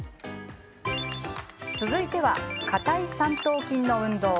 続いては、下たい三頭筋の運動。